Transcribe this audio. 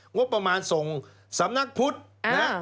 งบประมาณส่งสำนักพุทธนะฮะ